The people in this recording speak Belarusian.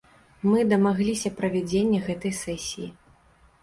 Мы дамагліся правядзення гэтай сесіі.